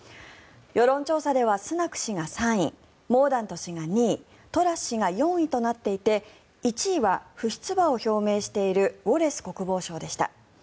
世論調査では、スナク氏が３位モーダント氏が２位トラス氏が４位となっていて１位は不出馬を表明しているウォレス国防相でした。